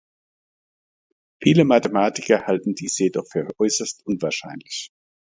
Viele Mathematiker halten dies jedoch für äußerst unwahrscheinlich.